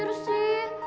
kok diusir sih